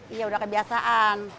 iya udah kebiasaan